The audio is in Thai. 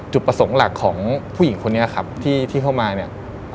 จุดประสงค์หลักของผู้หญิงคนนี้ครับที่เข้ามาเนี่ย